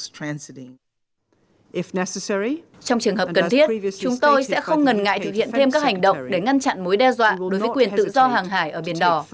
trong trường hợp cần thiết chúng tôi sẽ không ngần ngại thực hiện thêm các hành động để ngăn chặn mối đe dọa đối với quyền tự do hàng hải ở biển đỏ